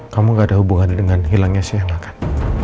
kamu gak ada hubungan dengan hilangnya si angakan